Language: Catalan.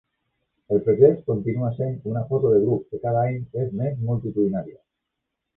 El pretext continua sent una foto de grup que cada any és més multitudinària.